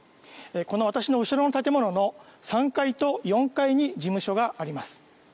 この私の後ろの建物の３階と４階に事務所があります。